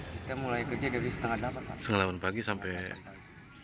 kita mulai kerja dari setengah pagi sampai malam